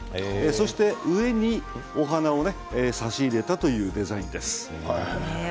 そして上にお花を差し入れたというデザインです。